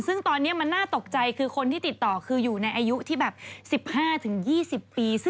ซึ่งตอนนี้มันน่าตกใจคือคนที่ติดต่อคืออยู่ในอายุที่แบบ๑๕๒๐ปี